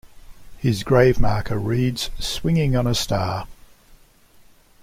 His grave marker reads Swinging On A Star.